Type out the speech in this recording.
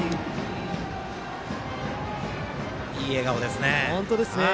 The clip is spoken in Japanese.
いい笑顔ですね。